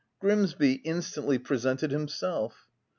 Grimsby instantly presented himself.